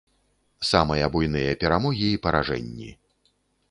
Самыя буйныя перамогі і паражэнні.